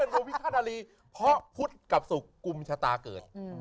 ดวงพิฆาตนาลีเพราะพุทธกับสุขกุมชะตาเกิด